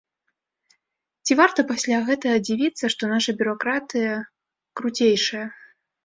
Ці варта пасля гэтага дзівіцца, што наша бюракратыя круцейшая.